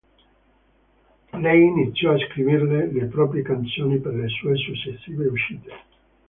Lei iniziò a scriverle le proprie canzoni per le sue successive uscite.